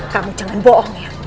kamu jangan bohong ya